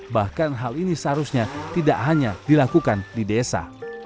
bahkan hal ini seharusnya tidak hanya dilakukan di desa